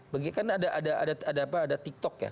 bagi kan ada apa ada tiktok ya